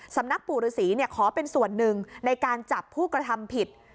สำนักปู่ฤษีขอเป็นส่วนหนึ่งในการจับผู้กระทำผิด